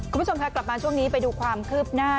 คุณผู้ชมค่ะกลับมาช่วงนี้ไปดูความคืบหน้า